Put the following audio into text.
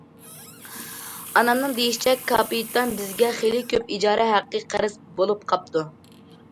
ئانامنىڭ دېيىشىچە، كاپىتان بىزگە خېلى كۆپ ئىجارە ھەققى قەرز بولۇپ قاپتۇ.